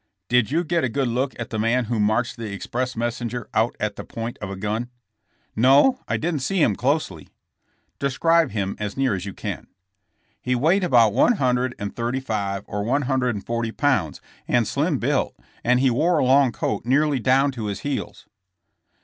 "Did you get a good look at the man who marched the express messenger out at the point of a gun ?'' "No; I didn't see him closely." '' Describe him as near as you can. '' "He weighed about one hundred and thirty five or one hundred and forty pounds and slim built, and wore a long coat nearly down to his heels."